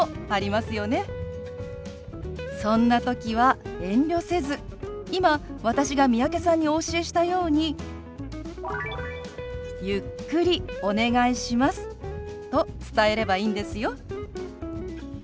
そんな時は遠慮せず今私が三宅さんにお教えしたように「ゆっくりお願いします」と伝えればいいんですよ。